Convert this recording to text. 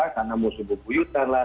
karena musuh bebuyutan lah